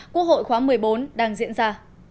quốc hội khóa một mươi bốn đang diễn ra